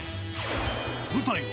舞台は、